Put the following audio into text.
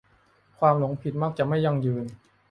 ความหลงผิดมักจะไม่ยั่งยืน